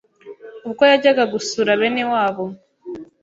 Ubwo yajyaga gusura bene wabo